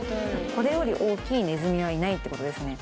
これより大きいネズミはいないってことですね。